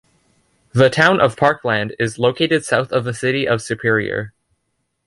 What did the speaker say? The Town of Parkland is located south of the city of Superior.